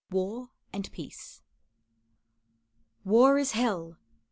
WAR AND PEACE. War is hell!